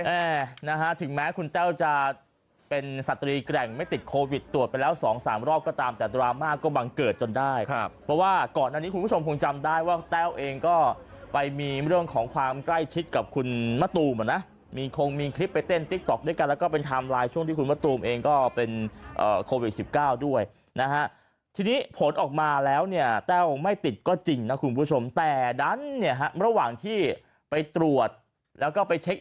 แม่นะฮะถึงแม้คุณแต้วจะเป็นสตรีแกร่งไม่ติดโควิดตรวจไปแล้วสองสามรอบก็ตามแต่ดราม่าก็บังเกิดจนได้ครับเพราะว่าก่อนอันนี้คุณผู้ชมคงจำได้ว่าแต้วเองก็ไปมีเรื่องของความใกล้ชิดกับคุณมะตูมอ่ะนะมีคงมีคลิปไปเต้นติ๊กต๊อกด้วยกันแล้วก็เป็นไทม์ไลน์ช่วงที่คุณมะตูมเองก็เป็นเอ่อโควิ